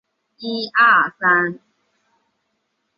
孔布雷。